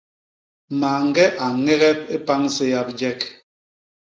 Mañge a ñegep i pañ séya bijek.